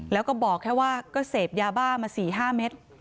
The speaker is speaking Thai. แล้วก็บอกแค่ว่าก็เสพยาบ้ามา๔๕เม็ด